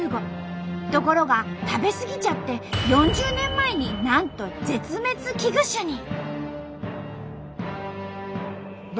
ところが食べ過ぎちゃって４０年前になんと絶滅危惧種に。